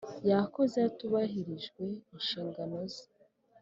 Yakoze hatubahirijwe inshingano ze